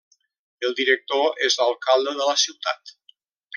El director és l'alcalde de la ciutat.